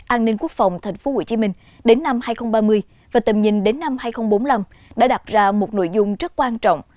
an ninh quốc phòng tp hcm đến năm hai nghìn ba mươi và tầm nhìn đến năm hai nghìn bốn mươi năm đã đặt ra một nội dung rất quan trọng